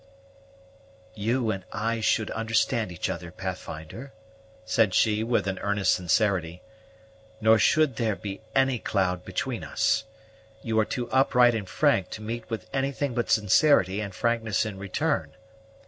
"You and I should understand each other, Pathfinder," said she with an earnest sincerity; "nor should there be any cloud between us. You are too upright and frank to meet with anything but sincerity and frankness in return.